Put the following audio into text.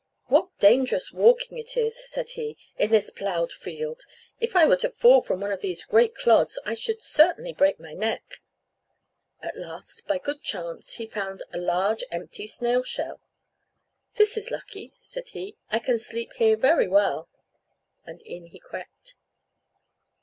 "What dangerous walking it is," said he, "in this ploughed field! If I were to fall from one of these great clods, I should certainly break my neck." At last, by good chance, he found a large empty snail shell. "This is lucky," said he, "I can sleep here very well," and in he crept.